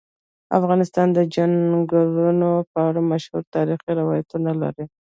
افغانستان د چنګلونه په اړه مشهور تاریخی روایتونه لري.